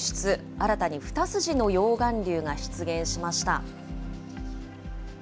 新たに２筋の溶岩流が出現しました。